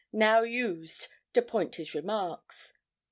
now used to point his remarks.